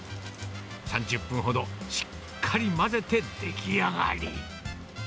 ３０分ほど、しっかり混ぜて出来上がり。